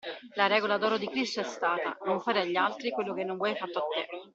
La regola d'oro di Cristo è stata: non fare agli altri quello che non vuoi fatto a te.